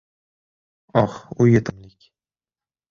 Oh, u yetimlik…